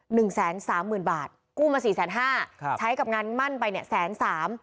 หนึ่งแสนสามหมื่นบาทกู้มาสี่แสนห้าครับใช้กับงานมั่นไปเนี่ยแสนสาม